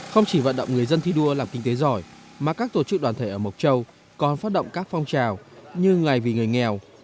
không chỉ vận động người dân thi đua làm kinh tế giỏi mà các tổ chức đoàn thể ở mộc châu còn phát động các phong trào như ngày vì người nghèo